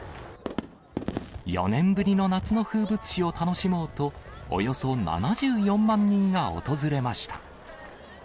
４年ぶりの夏の風物詩を楽しもうと、およそ７４万人が訪れました。